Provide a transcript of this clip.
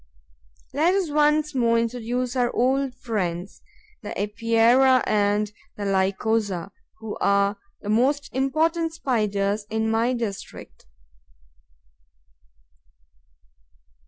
Let us once more introduce our old friends the Epeira and the Lycosa, who are the most important Spiders in my district.